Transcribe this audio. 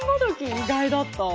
意外だった。